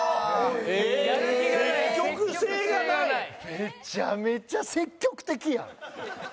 めちゃめちゃ積極的やん。